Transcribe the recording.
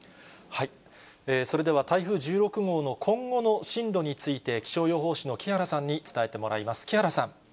それでは台風１６号の今後の進路について、気象予報士の木原さんに伝えてもらいます。